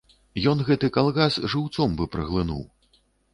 Ён гэты калгас жыўцом бы праглынуў.